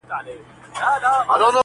په ترخو کي یې لذت بیا د خوږو دی,